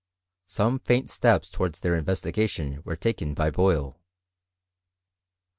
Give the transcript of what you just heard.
Some faiol steps towards their investigation were taken by Boyle.